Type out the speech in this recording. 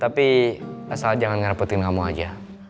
tapi asal jangan merepotin kamu aja